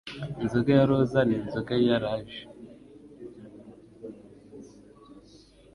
Inzoga ya roza n'inzoga ya lager